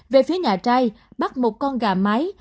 về phía nhà trai bắt một con gà mái